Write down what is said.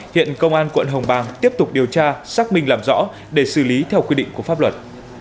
hiện công an quận hồng bàng tiếp tục điều tra xác minh làm rõ để xử lý theo quy định của pháp luật